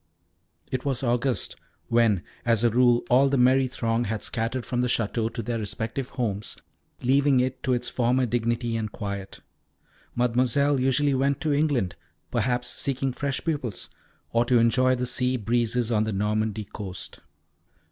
It was August, when, as a rule, all the merry throng had scattered from the Château to their respective homes, leaving it to its former dignity and quiet. Mademoiselle usually went to England, perhaps seeking fresh pupils, or to enjoy the sea breezes on the Normandy coast.